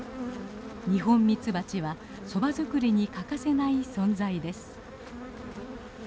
ニホンミツバチはソバ作りに欠かせない存在です。